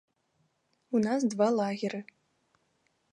У нас два лагеры.